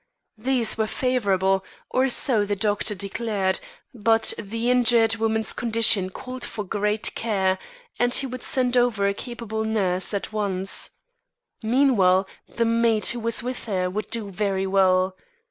These were favourable, or so the doctor declared, but the injured woman's condition called for great care and he would send over a capable nurse at once. Meanwhile, the maid who was with her would do very well.